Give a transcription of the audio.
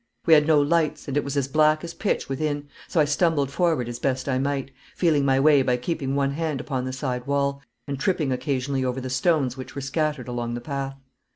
We had no lights, and it was as black as pitch within, so I stumbled forward as best I might, feeling my way by keeping one hand upon the side wall, and tripping occasionally over the stones which were scattered along the path.